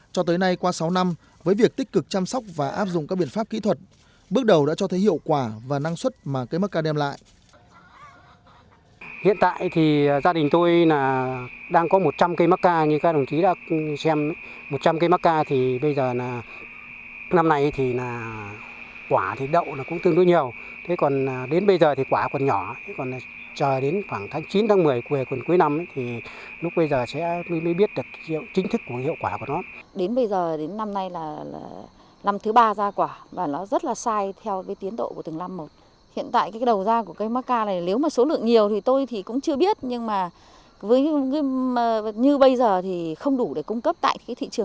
cho tới nay qua sáu năm với việc tích cực chăm sóc và áp dụng các biện pháp kỹ thuật bước đầu đã cho thấy hiệu quả và năng suất mà cây macca đem lại